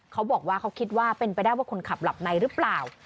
เขาบอกว่าเขาคิดว่าเป็นไปได้ว่าคนขับหลับในหรือเปล่า